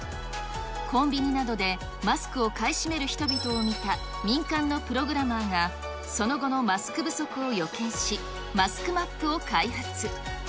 コンビニなどでマスクを買い占める人々を見た民間のプログラマーがその後のマスク不足を予見し、マスクマップを開発。